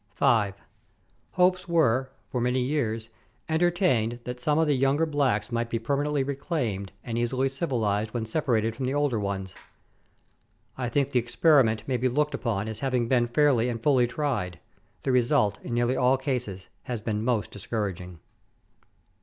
5. Hopes were, for many years, entertained that some of the younger blacks might be permanently reclaimed and easily civilized when separated from the older ones. I think the experi ment may be looked upon as having been fairly and fully tried; the result, in nearly all cases, has been most discouraging.